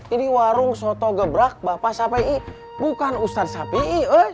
ini warung soto gebrek bapak safi'i bukan ustaz safi'i